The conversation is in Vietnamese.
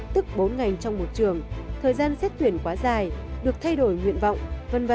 tức bốn ngành trong một trường thời gian xét tuyển quá dài được thay đổi nguyện vọng v v